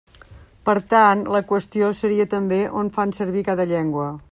Per tant, la qüestió seria també on fan servir cada llengua.